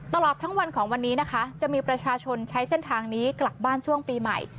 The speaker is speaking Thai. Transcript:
ตลอดทั้งวันของวันนี้นะคะจะมีประชาชนใช้เส้นทางนี้กลับบ้านช่วงปีใหม่